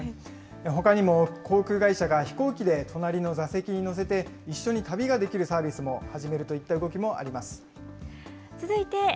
ほかにも航空会社が飛行機で隣の座席に乗せて一緒に旅ができるサービスも始めるといった動きもあります。